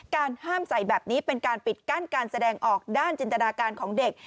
การห้ามใส่แบบนี้เป็นการปิดกั้นการแสดงออกด้านจินตนาการของเด็ก